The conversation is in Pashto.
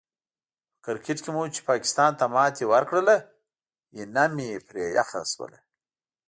په کرکیټ کې مو چې پاکستان ته ماتې ورکړله، ینه مې پرې یخه شوله.